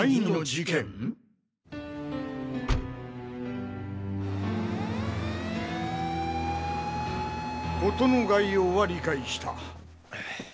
事の概要は理解した。